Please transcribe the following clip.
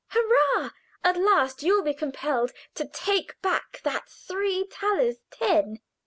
"Hurrah! At last you will be compelled to take back that three thalers ten."